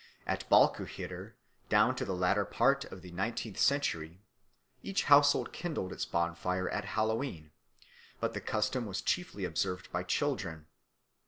At Balquhidder down to the latter part of the nineteenth century each household kindled its bonfire at Hallowe'en, but the custom was chiefly observed by children.